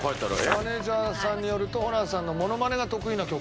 マネージャーさんによるとホランさんのモノマネが得意な曲。